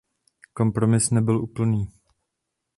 Kompromis nebyl úplný.